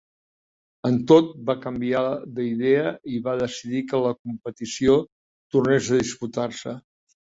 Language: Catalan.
Amb tot, va canviar d'idea i va decidir que la competició tornés a disputar-se.